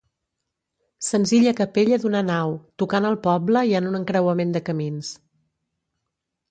Senzilla capella d'una nau, tocant al poble i en un encreuament de camins.